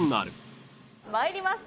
参ります。